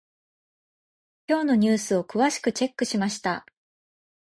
今日のニュースを詳しくチェックしました。